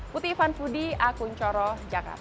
putih ivan fudi akun coro jakarta